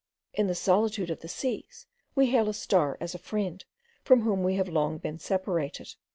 In the solitude of the seas we hail a star as a friend, from whom we have long been separated.